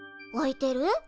置いてる？